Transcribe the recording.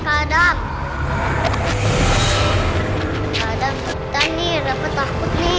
kadang kadang nih dapat takut nih